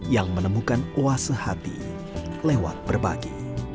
yang menemukan oase hati lewat berbagi